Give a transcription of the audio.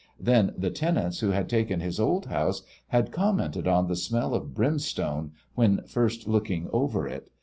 Then the tenants who had taken his old house had commented on the smell of brimstone when first looking over it.